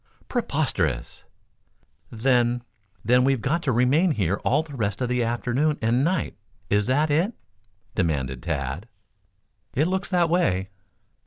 "Preposterous." "Then, then, we've got to remain here all the rest of the afternoon and night is that it?" demanded Tad. "It looks that way."